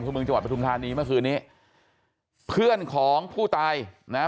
เมืองจังหวัดปทุมธานีเมื่อคืนนี้เพื่อนของผู้ตายนะฮะ